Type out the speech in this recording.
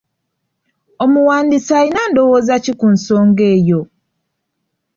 Omuwandiisi alina ndowooza ki ku nsonga eyo?